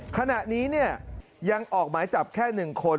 ขณะนี้ยังออกหมายจับแค่๑คน